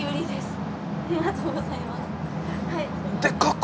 はい。